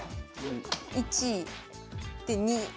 １で２。